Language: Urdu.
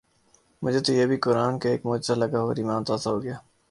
مجھے تو یہ بھی قرآن کا ایک معجزہ لگا اور ایمان تازہ ہوگیا